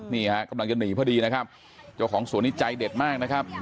นี่ฮะกำลังจะหนีพอดีนะครับเจ้าของสวนนี้ใจเด็ดมากนะครับ